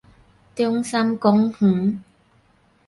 中山公園